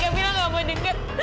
kamila gak mau denger